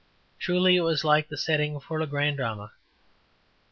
Truly, it was like the setting for a grand drama.